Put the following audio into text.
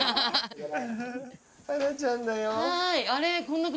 ハナちゃんだよ。